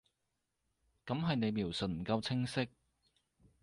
噉係你描述唔夠清晰